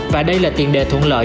và đây là tiền đề thuận lợi